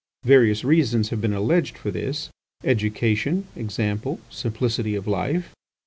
Various reasons have been alleged for this: Education, example, simplicity of life.